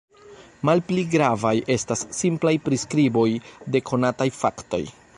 Malpli gravaj estas simplaj priskriboj de konataj faktoj.